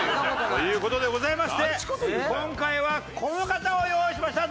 という事でございまして今回はこの方を用意しました。